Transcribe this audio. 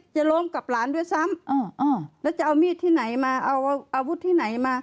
จะร้องกับหลานด้วยซ้ำแล้วจะเอามีดที่ไหนมาเอาอาวุธที่ไหนมา